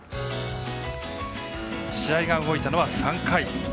試合が動いたのは３回。